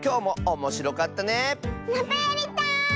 またやりたい！